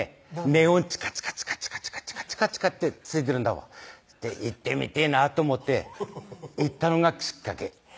ネオンチカチカチカチカってついてるんだわ行ってみてぇなと思って行ったのがきっかけ